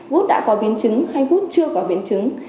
gút đã có biến chứng hay gút chưa có biến chứng